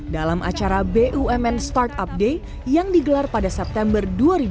dalam acara bumn startup day yang digelar pada september dua ribu dua puluh